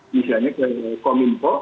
misalnya ke kominfo